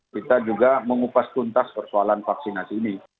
kita juga mengupas tuntas persoalan vaksinasi ini